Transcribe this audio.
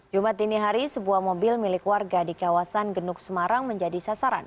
jumat dini hari sebuah mobil milik warga di kawasan genuk semarang menjadi sasaran